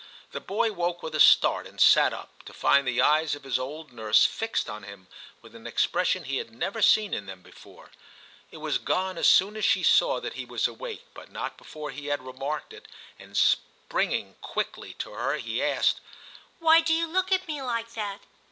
The boy woke with a start and sat up, to find the eyes of his old nurse fixed on him with an expression he had never I TIM 13 seen in them before ; it was gone as soon as she saw that he was awake, but not before he had remarked it, and springing quickly to her he asked, * Why do you look at me like that